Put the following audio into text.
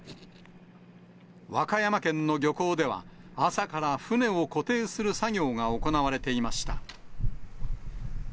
和歌山県の漁港では、朝から船を固定する作業が行われていました。